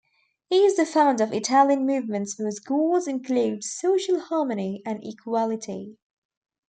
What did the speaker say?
He is the founder of Italian movements whose goals include social harmony and equality.